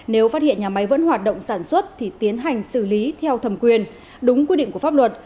nếu phát hiện nhà máy vẫn hoạt động sản xuất thì tiến hành xử lý theo thẩm quyền đúng quy định của pháp luật